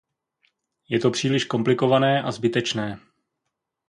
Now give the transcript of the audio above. Je to příliš komplikované a zbytečné.